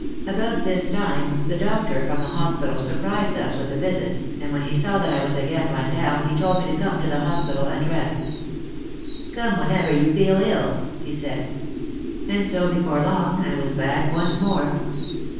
About this time the doctor from the hospital surprised us with a visit and when he saw that I was again run down he told me to come to the hos pital and rest. "Come whenever you feel ill," he said. And so before long I was back once more.